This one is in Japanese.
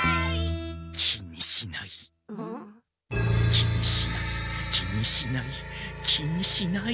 気にしない気にしない気にしない。